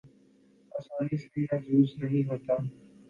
آسانی سے محظوظ نہیں ہوتا